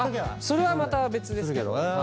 それはまた別ですけど。